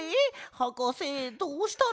はかせどうしたの？